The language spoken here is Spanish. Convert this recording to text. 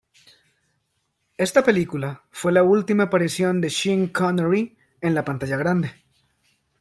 Esta película fue la última aparición de Sean Connery en la pantalla grande.